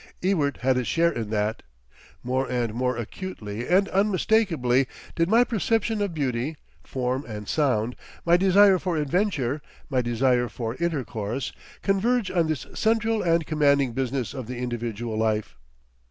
Ewart had his share in that. More and more acutely and unmistakably did my perception of beauty, form and sound, my desire for adventure, my desire for intercourse, converge on this central and commanding business of the individual life.